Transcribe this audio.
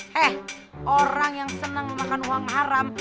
hei orang yang senang memakan uang haram